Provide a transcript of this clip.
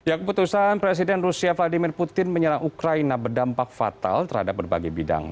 ya keputusan presiden rusia vladimir putin menyerang ukraina berdampak fatal terhadap berbagai bidang